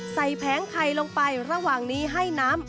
แผงไข่ลงไประหว่างนี้ให้น้ำ